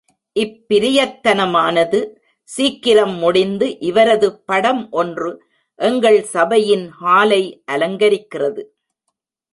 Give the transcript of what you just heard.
இப்பிரயத்தனமானது சீக்கிரம் முடிந்து, இவரது படம் ஒன்று எங்கள் சபையின் ஹாலை அலங்கரிக்கிறது.